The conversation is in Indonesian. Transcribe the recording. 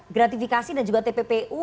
gratifikasi dan juga tppu